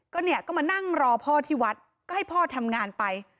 ก็เนี่ยก็มานั่งรอพ่อที่วัดก็ให้พ่อทำงานไป